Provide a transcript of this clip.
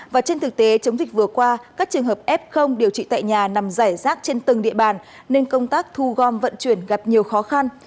và trên thực tế chống dịch vừa qua các trường hợp f điều trị tại nhà nằm giải rác trên từng địa bàn nên công tác thu gom vận chuyển gặp nhiều khó khăn